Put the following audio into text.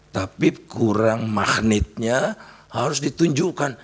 tapi kurang magnetnya harus ditunjukkan